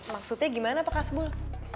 maksudnya gimana pak hasbul